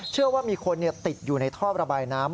เชื่อว่ามีคนติดอยู่ในท่อระบายน้ำ